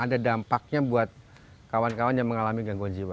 ada dampaknya buat kawan kawan yang mengalami gangguan jiwa